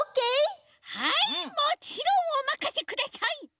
はいもちろんおまかせください！